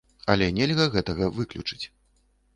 Але нельга гэтага выключыць.